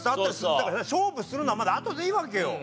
だから勝負するのはまだあとでいいわけよ。